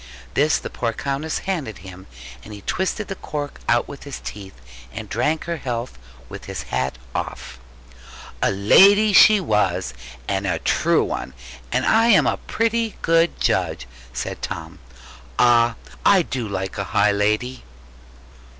This the poor countess handed him; and he twisted the cork out with his teeth, and drank her health with his hat off. 'A lady she was, and a true one; and I am a pretty good judge,' said Tom: 'ah, I do like a high lady!'